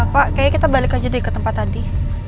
pak kayaknya kita balik aja deh ke tempat tadi